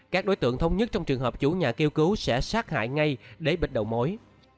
các đối tượng thống nhất trong trường hợp chủ nhà kêu cứu sẽ sát hại ngay để bịt đầu mối